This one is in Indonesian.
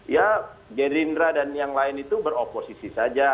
ya gerindra dan yang lain itu beroposisi saja